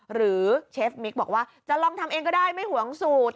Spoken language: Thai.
เชฟมิกบอกว่าจะลองทำเองก็ได้ไม่ห่วงสูตร